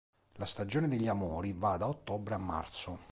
La stagione degli amori va da ottobre a marzo.